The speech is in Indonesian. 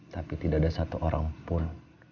tapi tidak ada satu orang pun